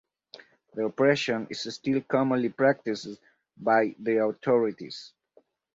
The oppression is still commonly practiced by the authorities.